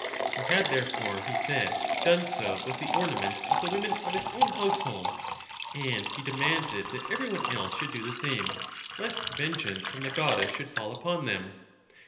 He had therefore, he said, done so with the ornaments of the women of his own household ; and he demanded that every one else should do the same, lest vengeance from the goddess should fall upon them.